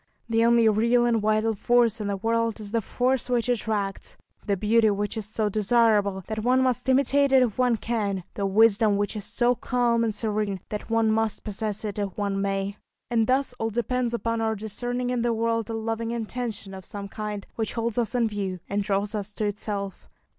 The only real and vital force in the world is the force which attracts, the beauty which is so desirable that one must imitate it if one can, the wisdom which is so calm and serene that one must possess it if one may. And thus all depends upon our discerning in the world a loving intention of some kind, which holds us in view, and draws us to itself.